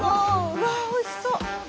うわおいしそう。